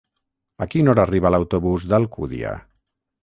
A quina hora arriba l'autobús d'Alcúdia?